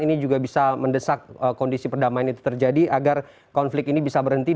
ini juga bisa mendesak kondisi perdamaian itu terjadi agar konflik ini bisa berhenti